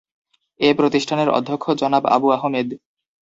এ প্রতিষ্ঠানের অধ্যক্ষ জনাব আবু আহমেদ।